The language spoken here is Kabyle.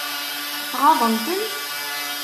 Ɣaḍen-ten?